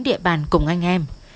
địa bàn cùng anh em